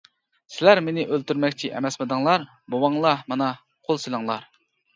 -سىلەر مېنى ئۆلتۈرمەكچى ئەمەسمىدىڭلار؟ بوۋاڭلار مانا، قول سېلىڭلار!